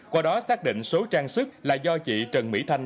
qua đó xác định số trang sức là do chị trần mỹ thanh